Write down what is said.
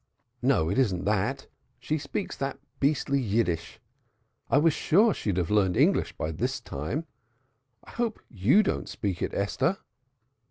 "No, it, isn't that. She speaks that beastly Yiddish I made sure she'd have learned English by this time. I hope you don't speak it, Esther."